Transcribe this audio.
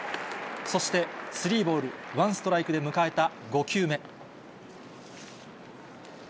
そして、スリーボール、ワンストライクで迎えた５球目。